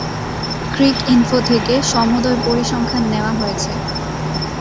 Cricinfo থেকে সমূদয় পরিসংখ্যান নেয়া হয়েছে।